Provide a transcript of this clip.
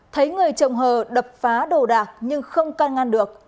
thấy người trồng hờ đập phá đồ đạc nhưng không can ngăn được